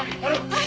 はい。